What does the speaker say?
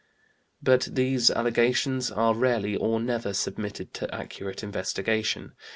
" But these allegations are rarely or never submitted to accurate investigation.